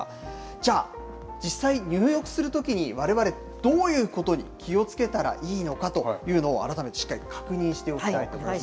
じゃあ実際、入浴するときにわれわれどういうことに気をつけたらいいのかというのを、改めてしっかり確認しておきたいと思います。